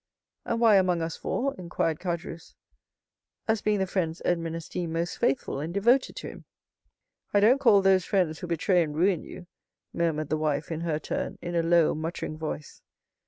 "And why among us four?" inquired Caderousse. "As being the friends Edmond esteemed most faithful and devoted to him." "I don't call those friends who betray and ruin you," murmured the wife in her turn, in a low, muttering voice.